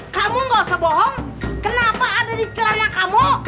kamu tidak usah bohong kenapa ada di celana kamu